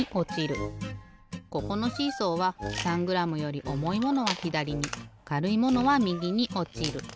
ここのシーソーは３グラムより重いものはひだりにかるいものはみぎにおちる。